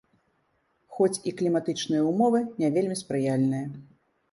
Хоць і кліматычныя ўмовы не вельмі спрыяльныя.